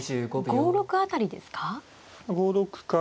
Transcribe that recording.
５六辺りですか。